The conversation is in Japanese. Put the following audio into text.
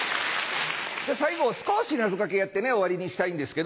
じゃあ最後少し謎掛けやってね終わりにしたいんですけど。